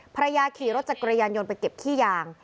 ภรรยาขี่รถจักรยานยนต์ไปเก็บขี้ยาง